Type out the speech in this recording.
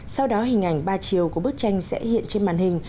sau đó hình ảnh ba chiều của bức tranh sẽ hiện trên màn hình